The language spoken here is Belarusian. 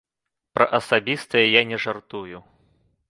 Пра асабістае я не жартую.